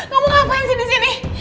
kamu ngapain disini sini